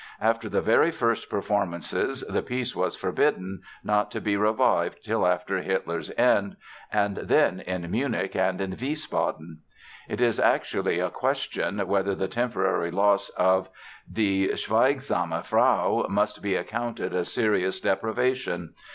After the very first performances the piece was forbidden, not to be revived till after Hitler's end (and then in Munich and in Wiesbaden). It is actually a question whether the temporary loss of Die Schweigsame Frau must be accounted a serious deprivation.